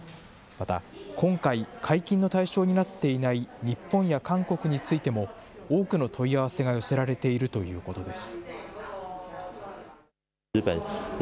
また、今回、解禁の対象になっていない日本や韓国についても、多くの問い合わせが寄せられているということです。